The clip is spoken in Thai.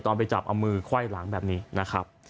ไปจับเอามือไขว้หลังแบบนี้นะครับ